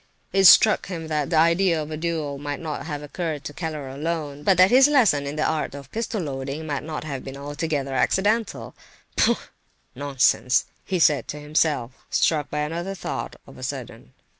It struck him that the idea of the duel might not have occurred to Keller alone, but that his lesson in the art of pistol loading might have been not altogether accidental! "Pooh! nonsense!" he said to himself, struck by another thought, of a sudden.